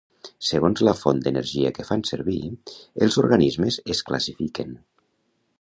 Segons la font d'energia que fan servir, els organismes es classifiquen